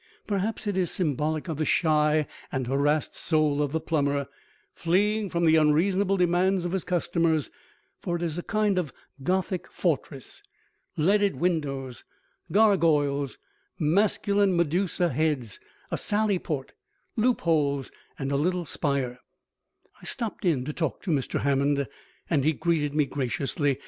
Perhaps it is symbolic of the shy and harassed soul of the plumber, fleeing from the unreasonable demands of his customers, for it is a kind of Gothic fortress. Leaded windows, gargoyles, masculine medusa heads, a sallyport, loopholes and a little spire. I stopped in to talk to Mr. Hammond, and he greeted me graciously.